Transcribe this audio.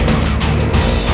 lu ajar si mondi